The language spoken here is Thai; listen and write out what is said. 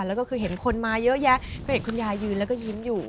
แล้วก็คือเห็นคนมาเยอะแยะพระเอกคุณยายยืนแล้วก็ยิ้มอยู่